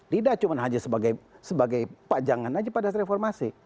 tidak cuma hanya sebagai pajangan saja pada reformasi